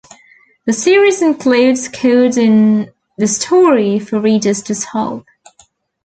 The series includes codes in the story for readers to solve.